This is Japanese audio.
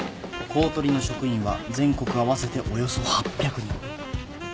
公取の職員は全国合わせておよそ８００人。